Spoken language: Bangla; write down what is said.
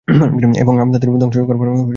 এবং তাদের উপর ধ্বংসযজ্ঞ করার আদেশ থাকবে।